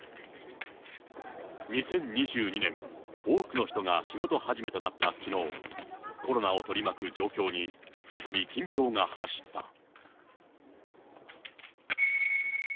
多くの人が仕事始めとなったきのう、コロナを取り巻く状況に、再び緊張が走った。